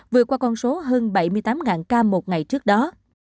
vừa qua con số hơn bảy mươi tám ca một ngày trước đó